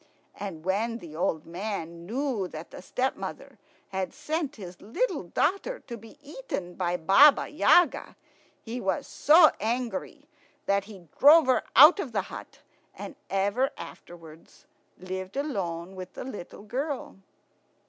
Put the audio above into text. And when the old man knew that the stepmother had sent his little daughter to be eaten by Baba Yaga, he was so angry that he drove her out of the hut, and ever afterwards lived alone with the little girl.